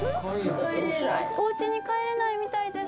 おうちに帰れないみたいです。